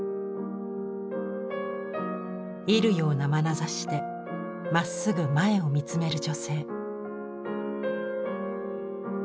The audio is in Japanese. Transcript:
射るようなまなざしでまっすぐ前を見つめる女性。